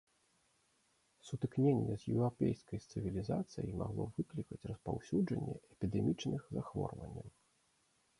Сутыкненне з еўрапейскай цывілізацыяй магло выклікаць распаўсюджанне эпідэмічных захворванняў.